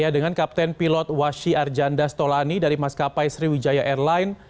dengan kapten pilot washi arjanda stolani dari maskapai sriwijaya airline